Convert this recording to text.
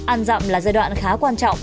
ăn dặm là giai đoạn khá quan trọng